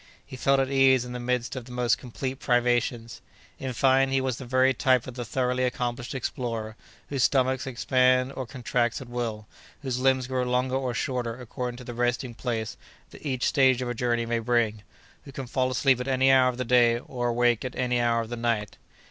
He felt at ease in the midst of the most complete privations; in fine, he was the very type of the thoroughly accomplished explorer whose stomach expands or contracts at will; whose limbs grow longer or shorter according to the resting place that each stage of a journey may bring; who can fall asleep at any hour of the day or awake at any hour of the night.